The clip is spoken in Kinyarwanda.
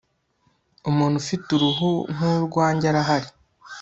umuntu ufite uruhu nkurwanjye arahari